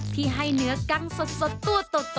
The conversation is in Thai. ที่ให้เนื้อกังสดตู้